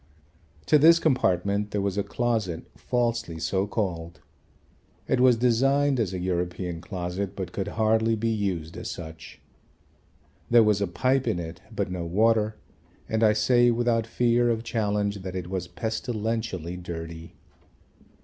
To this compartment there was a closet falsely so called. It was designed as a European closet but could hardly be used as such. There was a pipe in it but no water, and I say without fear of challenge that it was pestilentially dirty.